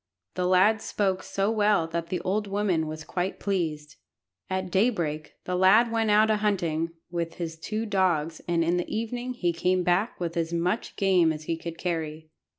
The lad spoke so well that the old woman was quite pleased. At daybreak the lad went out a hunting with his two dogs, and in the evening he came back with as much game as he could carry.